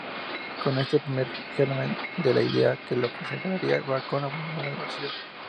Con este primer germen de la idea que lo consagraría, Bacon abandonó la universidad.